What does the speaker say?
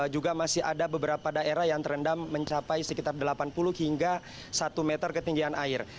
juga masih ada beberapa daerah yang terendam mencapai sekitar delapan puluh hingga satu meter ketinggian air